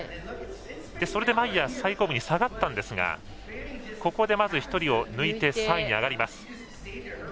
それでマイヤー最後尾に下がったんですがここでまず１人を抜いて３位に上がります。